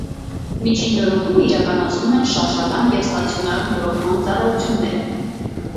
Միջին նորոգումը իրականացնում են շարժական և ստացիոնար նորոգման ծառայությունները։